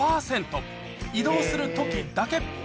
移動するときだけ。